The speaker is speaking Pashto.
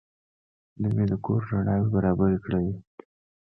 نن مې د کور رڼاوې برابرې کړې.